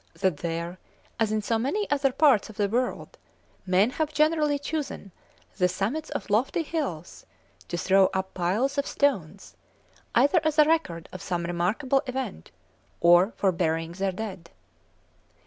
that there, as in so many other parts of the world, men have generally chosen the summits of lofty hills, to throw up piles of stones, either as a record of some remarkable event, or for burying their dead.